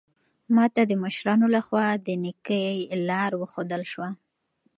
ما ته د مشرانو لخوا د نېکۍ لار وښودل شوه.